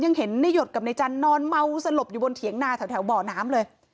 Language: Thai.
เห็นในหยดกับนายจันทร์นอนเมาสลบอยู่บนเถียงนาแถวบ่อน้ำเลย